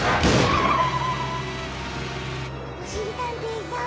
おしりたんていさん